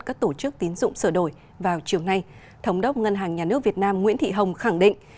các tổ chức tín dụng sửa đổi vào chiều nay thống đốc ngân hàng nhà nước việt nam nguyễn thị hồng khẳng định